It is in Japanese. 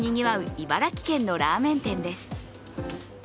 茨城県のラーメン店です。